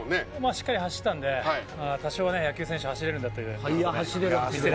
しっかり走ったんで多少、野球選手は走れるんだと。